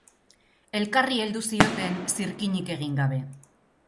Elkarri heldu zioten zirkinik egin gabe.